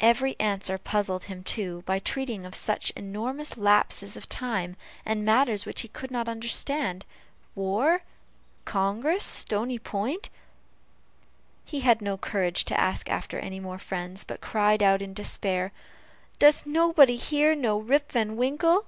Every answer puzzled him too, by treating of such enormous lapses of time, and of matters which he could not understand: war Congress Stony Point; he had no courage to ask after any more friends, but cried out in despair, "Does nobody here know Rip Van Winkle?"